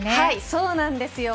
そうなんですよ。